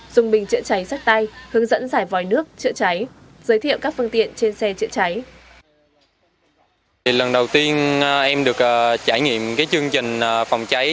dùng bình chữa cháy sách tay hướng dẫn giải vòi nước chữa cháy giới thiệu các phương tiện trên xe chữa cháy